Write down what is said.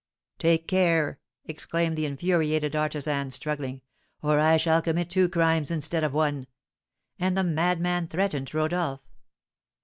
"Take care," exclaimed the infuriated artisan, struggling, "or I shall commit two crimes instead of one!" and the madman threatened Rodolph.